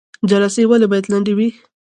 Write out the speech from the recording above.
جلسې ولې باید لنډې وي؟